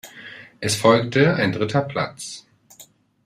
Es folgte ein dritter Platz.